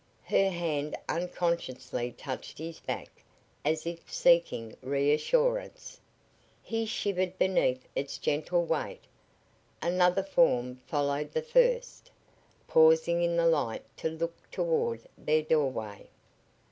Her hand unconsciously touched his back as if seeking reassurance. He shivered beneath its gentle weight. Another form followed the first, pausing in the light to look toward their doorway.